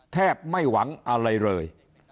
แทบไม่หวังอะไรเลย